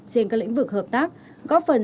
trên các lĩnh vực hợp tác góp phần